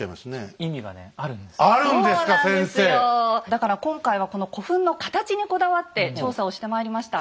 だから今回はこの古墳の形にこだわって調査をしてまいりました。